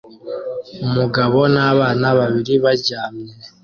umugabo nabana babiri baryamye